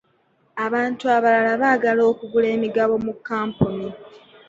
Abantu abalala baagala okugula emigabo mu kampuni.